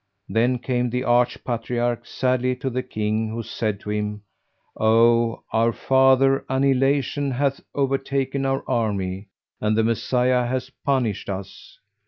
Then came the Arch Patriarch sadly to the King who said to him, "O our father, annihilation hath overtaken our army and the Messiah hath punished us!"